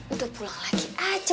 itu pulang lagi aja